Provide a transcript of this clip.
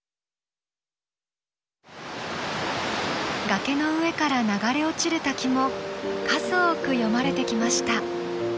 崖の上から流れ落ちる滝も数多く詠まれてきました。